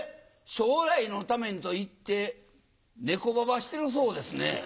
将来のためにと言ってネコババしてるそうですね。